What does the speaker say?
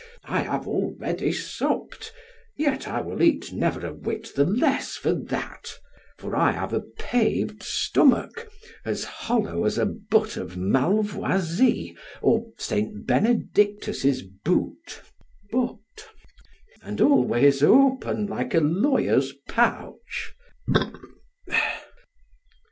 I have already supped, yet will I eat never a whit the less for that; for I have a paved stomach, as hollow as a butt of malvoisie or St. Benedictus' boot (butt), and always open like a lawyer's pouch.